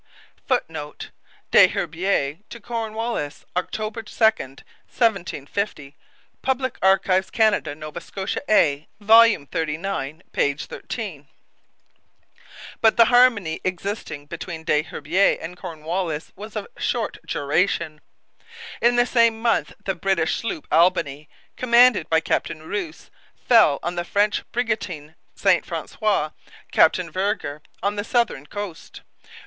[Footnote: Des Herbiers to Cornwallis, October 2, 1750. Public Archives, Canada. Nova Scotia A, vol. xxxix, p. 13.] But the harmony existing between Des Herbiers and Cornwallis was of short duration. In the same month the British sloop Albany, commanded by Captain Rous, fell on the French brigantine St Francois, Captain Vergor, on the southern coast.